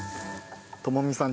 知美さん